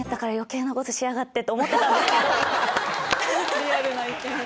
リアルな意見！